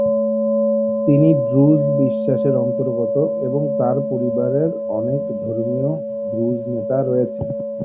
তিনি ড্রুজ বিশ্বাসের অন্তর্গত, এবং তার পরিবারের অনেক ধর্মীয় দ্রুজ নেতা রয়েছে।